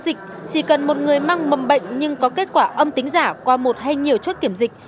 dịch chỉ cần một người mang mầm bệnh nhưng có kết quả âm tính giả qua một hay nhiều chốt kiểm dịch